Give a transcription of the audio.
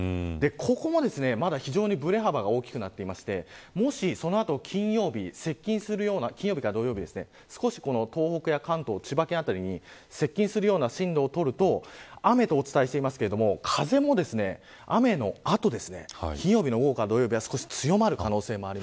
ここもまた非常にぶれ幅が大きくなっていてもし、その後金曜日に接近するような金曜日から土曜日東北から関東、千葉県辺りに接近するような進路を取ると雨とお伝えしていますが、風も雨の後ですね、金曜日の午後から土曜日が強まる可能性もある。